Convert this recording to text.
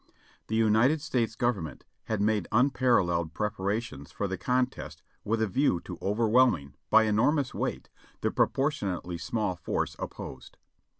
The United States Government had made unparalleled pre parations for the contest with a view to overwhelming, by enor mous weight, the proportionately small force opposed.